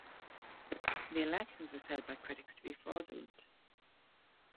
The elections were said by critics to be fraudulent.